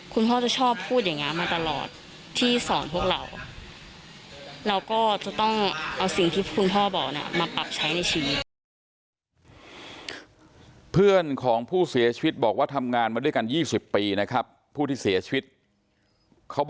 คุณพ่อจะชอบพูดอย่างนี้มาตลอดที่สอนพวกเรา